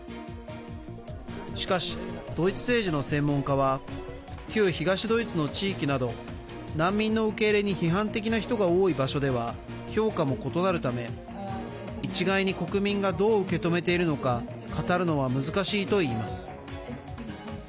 しかし、ドイツ政治の専門家は旧東ドイツの地域など難民の受け入れに批判的な人が多い場所では、評価も異なるため一概に国民がどう受け止めているのか語るのは難しいといいます。